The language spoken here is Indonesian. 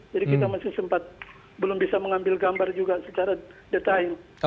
jadi kita masih sempat belum bisa mengambil gambar juga secara detail